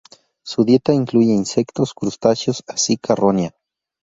Su dieta incluye insectos, crustáceos, así carroña.